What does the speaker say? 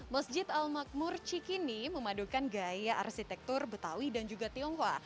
masjid al makmur cikini memadukan gaya arsitektur betawi dan juga tionghoa